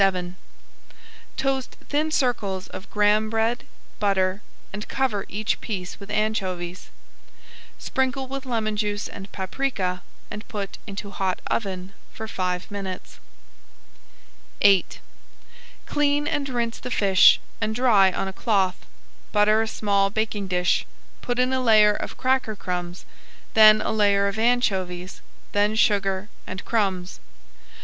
VII Toast thin circles of graham bread, butter, and cover each piece with anchovies. Sprinkle with lemon juice and paprika and put into hot oven for five minutes. VIII Clean and rinse the fish and dry on a cloth. Butter a small baking dish, put in a layer of cracker crumbs, then a layer of anchovies, then sugar and crumbs.